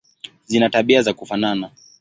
Zina tabia za kufanana.